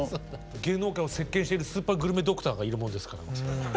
芸能界を席けんしているスーパーグルメドクターがいるもんですから。